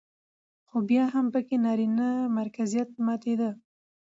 خو بيا هم پکې نرينه مرکزيت ماتېده